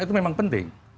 itu memang penting